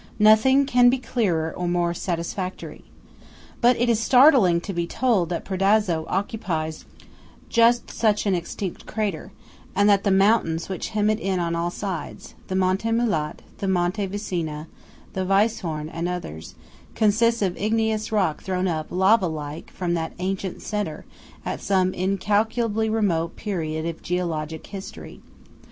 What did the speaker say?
Nothing can be clearer, or more satisfactory. But it is startling to be told that Predazzo occupies just such an extinct crater, and that the mountains which hem it in on all sides–the Monte Mulat, the Monte Viesena, the Weisshorn and others–consist of igneous rock thrown up, lava like, from that ancient centre at some incalculably remote period of geologic history.